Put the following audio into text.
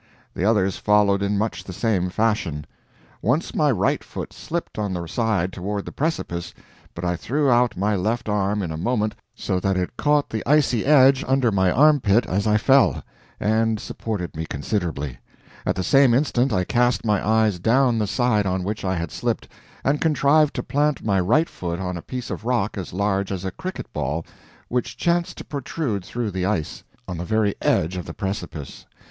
The others followed in much the same fashion. Once my right foot slipped on the side toward the precipice, but I threw out my left arm in a moment so that it caught the icy edge under my armpit as I fell, and supported me considerably; at the same instant I cast my eyes down the side on which I had slipped, and contrived to plant my right foot on a piece of rock as large as a cricket ball, which chanced to protrude through the ice, on the very edge of the precipice.